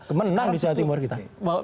kemenang di jawa timur kita